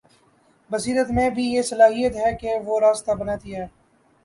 بصیرت میں بھی یہ صلاحیت ہے کہ وہ راستہ بناتی ہے۔